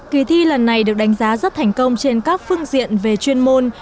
kỳ thi lần này được đánh giá rất thành công trên các phương diện về chuyên môn